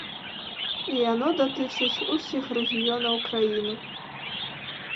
Яно датычыць усіх рэгіёнаў краіны.